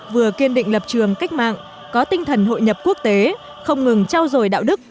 vừa kiên định lập trường cách mạng có tinh thần hội nhập quốc tế không ngừng trao dồi đạo đức